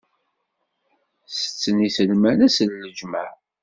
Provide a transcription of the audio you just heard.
Setten iselman ass n lǧemɛa.